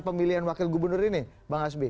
pemilihan wakil gubernur ini bang hasbi